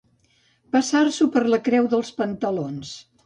Passar-s'ho per la creu dels pantalons.